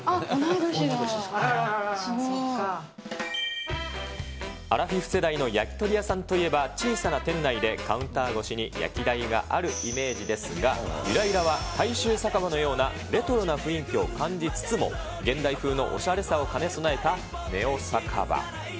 すごい。アラフィフ世代の焼き鳥屋さんといえば、小さな店内でカウンター越しに焼き台があるイメージですが、ユラユラは大衆酒場のような、レトロな雰囲気を感じつつも、現代風のおしゃれさを兼ね備えつつのネオ酒場。